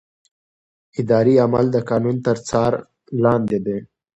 اداري عمل د قانون تر څار لاندې دی.